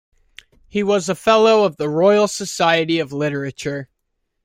He was a fellow of the Royal Society of Literature.